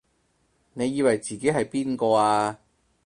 你以為自己係邊個啊？